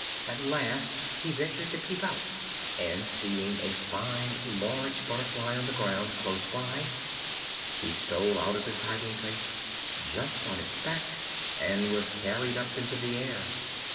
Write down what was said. At last he ventured to peep out, and, seeing a fine large butterfly on the ground close by, he stole out of his hiding place, jumped on its back, and was carried up into the air.